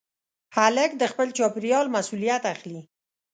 هلک د خپل چاپېریال مسؤلیت اخلي.